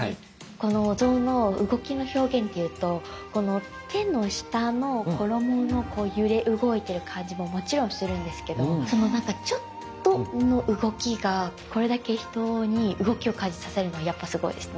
このお像の動きの表現でいうとこの手の下の衣の揺れ動いてる感じももちろんするんですけどそのなんかちょっとの動きがこれだけ人に動きを感じさせるのはやっぱすごいですね。